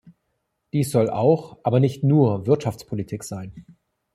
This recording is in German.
Diese soll auch, aber nicht nur Wirtschaftspolitik sein.